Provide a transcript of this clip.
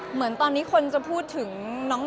เหมือนตอนนี้คนจะพูดถึงน้อง